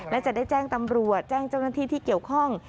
และจะได้แจ้งตำรวจแจ้งเจ้าหน้าที่ที่เกี่ยวข้อง